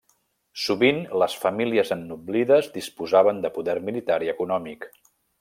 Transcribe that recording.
Sovint les famílies ennoblides disposaven de poder militar i econòmic.